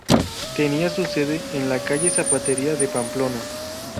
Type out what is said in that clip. Tenía su sede en la calle Zapatería de Pamplona.